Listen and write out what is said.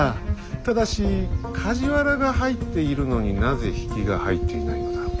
ただし梶原が入っているのになぜ比企が入っていないのだ。